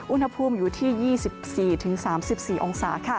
อุณหภูมิอยู่ที่๒๔๓๔องศา